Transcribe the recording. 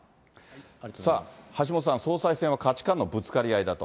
さあ橋下さん、総裁選は価値観のぶつかり合いだと。